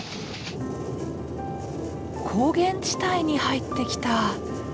高原地帯に入ってきた。